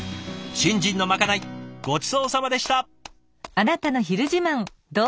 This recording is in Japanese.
新人のまかないごちそうさまでした。